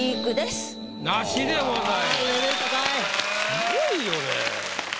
すごいよね。